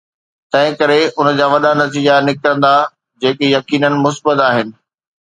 تنهن ڪري ان جا وڏا نتيجا نڪرندا جيڪي يقيناً مثبت آهن.